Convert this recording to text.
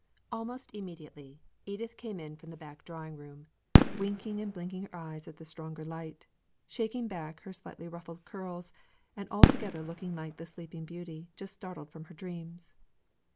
Almost immediately, Edith came in from the back drawing room, winking and blinking her eyes at the stronger light, shaking back her slightly ruffled curls, and altogether looking like the Sleeping Beauty just startled from her dreams.